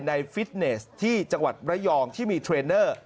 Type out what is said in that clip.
ฟิตเนสที่จังหวัดระยองที่มีเทรนเนอร์